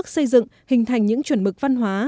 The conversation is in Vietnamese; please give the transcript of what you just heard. xây dựng hình thành những chuẩn mực văn hóa